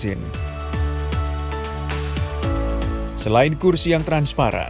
selain kursi yang transparan tentu kepastian transaksi berikutnya juga akan berlaku